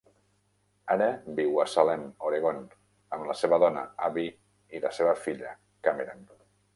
Ara viu a Salem, Oregon, amb la seva dona, Abby i la seva filla, Cameron.